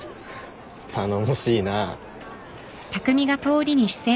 頼もしいなぁ。